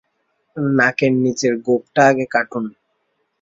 নাকের নীচের গোঁপটা আগে কাটুন।